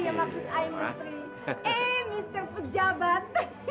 eh mister pejabat